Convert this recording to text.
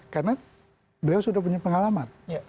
karena beliau sudah punya pengalaman